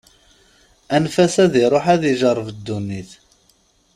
Anef-as ad iṛuḥ, ad ijeṛṛeb ddunit.